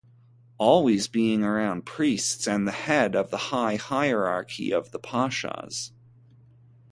Always being around priests and the head of the high hierarchy of the Pashas.